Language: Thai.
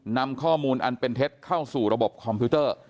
นำข้อมูลอันเป็นเท็จเข้าสู่ระบบคอมพิวเตอร์